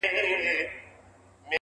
هره لوېشت مي د نيکه او بابا ګور دی!!